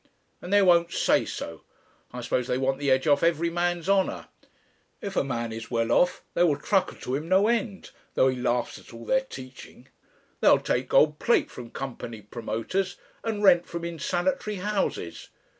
And they won't say so. I suppose they want the edge off every man's honour. If a man is well off they will truckle to him no end, though he laughs at all their teaching. They'll take gold plate from company promoters and rent from insanitary houses.